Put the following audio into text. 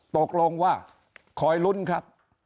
ตกลงว่าคอยลุ้นครับ